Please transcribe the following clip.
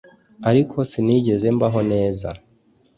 ariko sinigeze mbaho neza